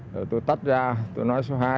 rồi tôi tắt ra tôi nói số hai